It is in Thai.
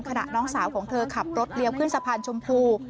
น้องสาวของเธอขับรถเลี้ยวขึ้นสะพานชมพู